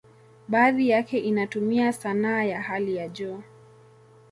Baadhi yake inatumia sanaa ya hali ya juu.